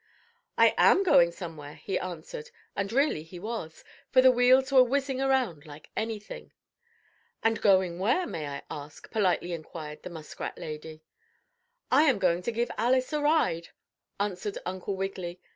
"I am going somewhere," he answered, and really he was, for the wheels were whizzing around like anything. "And going where, may I ask?" politely inquired the muskrat lady. "I am going to give Alice a ride," answered Uncle Wiggily.